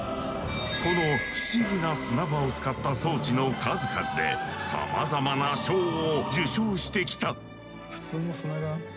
この不思議な砂場を使った装置の数々でさまざまな賞を受賞してきた。